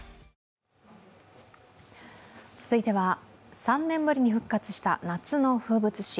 続いては３年ぶりに復活した夏の風物詩。